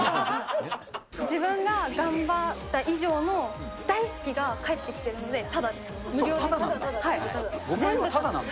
自分が頑張った以上の大好きが返ってきてるんで、ただです。